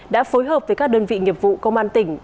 đã phối hợp với các đơn vị nghiệp vụ công an tỉnh